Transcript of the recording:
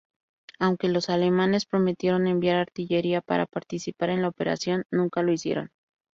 Aunque los alemanes prometieron enviar artillería para participar en la operación, nunca lo hicieron.